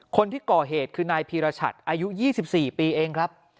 คนที่ก่อเหตุคือนายพีรชัดอายุ๒๔ปีเองครับ